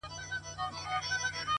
موري ډېوه دي ستا د نور د شفقت مخته وي،